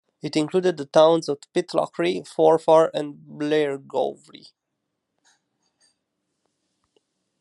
It included the towns of Pitlochry, Forfar and Blairgowrie.